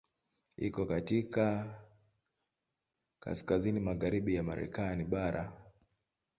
Iko katika kaskazini magharibi ya Marekani bara.